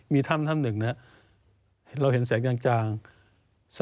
เมื่อเดือนห้องอาทิตย์ห้อง๖เรียบนแสงมันมักล้างหน้า